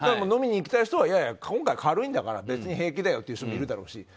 飲みに行きたい人はいやいや、今回は軽いんだから別に平気だよっていう人もいるだろうし。